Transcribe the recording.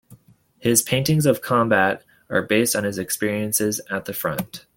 His paintings of combat are based on his experiences at the front.